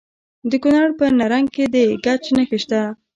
د کونړ په نرنګ کې د ګچ نښې شته.